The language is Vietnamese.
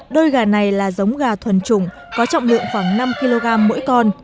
đôi gà này là giống gà thuần trùng có trọng lượng khoảng năm kg mỗi con